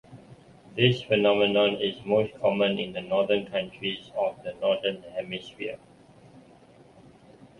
This phenomenon is most common in the northern countries of the Northern Hemisphere.